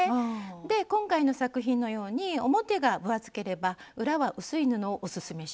で今回の作品のように表が分厚ければ裏は薄い布をオススメします。